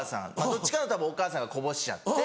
どっちかのたぶんお母さんがこぼしちゃって。